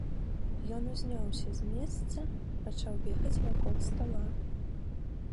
Ён узняўся з месца, пачаў бегаць вакол стала.